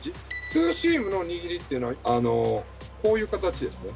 ツーシームの握りっていうのは、こういう形ですね。